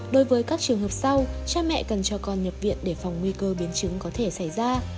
đối với các trường hợp sau cha mẹ cần cho con nhập viện để phòng nguy cơ biến chứng có thể xảy ra